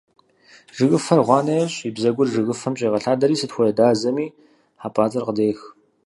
Жыгыфэр гъуанэ ещӀ, и бзэгур жыгыфэм щӀегъэлъадэри сыт хуэдэ дазэми хьэпӀацӀэр къыдех.